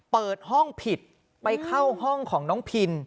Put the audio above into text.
เปิดห้องผิดไปเข้าห้องของน้องพิน